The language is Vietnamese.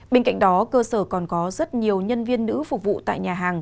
bên cạnh đó cơ sở còn có rất nhiều nhân viên nữ phục vụ tại nhà hàng